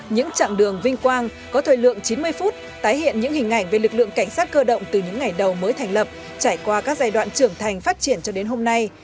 những chặng đường vinh quang có thời lượng chín mươi phút tái hiện những hình ảnh về lực lượng cảnh sát cơ động từ những ngày đầu mới thành lập trải qua các giai đoạn trưởng thành phát triển cho đến hôm nay